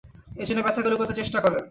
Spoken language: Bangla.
এইজন্যে ব্যথাটা লুকোতে চেষ্টা করে।